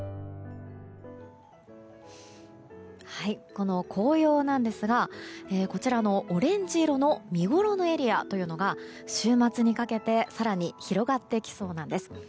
この紅葉なんですがこちらのオレンジ色の見ごろのエリアというのが週末にかけて更に広がっていきそうなんです。